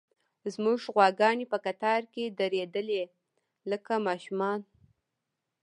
زموږ غواګانې په قطار کې درېدلې، لکه ماشومان.